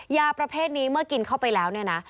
ยาประเภทนี้เมื่อกินเข้าไปแล้วเนี่ยนะ